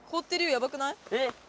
やばくない？えっ？